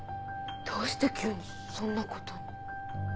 どうして急にそんなことに？